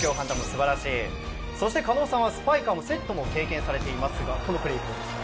そして狩野さんはスパイカーもセッターも経験されていますがこのプレーは。